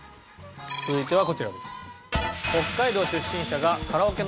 続いてはこちらです。